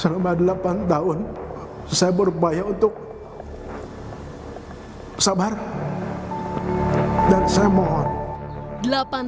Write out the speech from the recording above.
selama delapan tahun saya berupaya untuk sabar dan saya mohon delapan